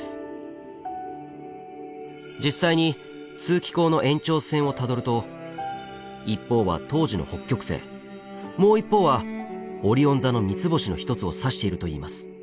実際に通気孔の延長線をたどると一方は当時の北極星もう一方はオリオン座の三つ星の一つを指しているといいます。